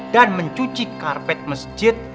dan mencuci karpet masjid